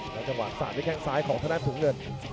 แล้วจังหวัดสาดด้วยแข่งซ้ายของท่านทุกเงิน